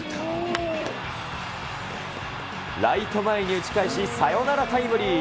ライト前に打ち返し、サヨナラタイムリー。